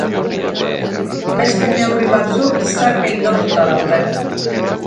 Beste neurri batzuk zergei lotuta daude.